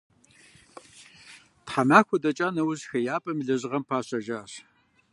Тхьэмахуэ дэкӏа нэужь хеяпӀэм и лэжьыгъэм пащэжащ.